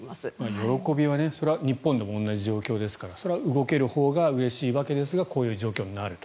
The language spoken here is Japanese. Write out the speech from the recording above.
喜びは、それは日本でも同じ状況ですからそれは動けるほうがうれしいわけですがこういう状況になると。